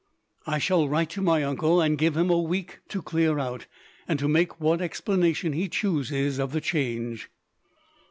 "I shall write to my uncle, and give him a week to clear out, and to make what explanation he chooses of the change."